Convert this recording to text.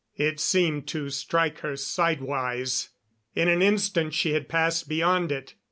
It seemed to strike her sidewise. In an instant she had passed beyond it.